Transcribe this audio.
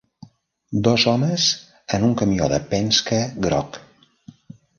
Dos homes en un camió de Penske groc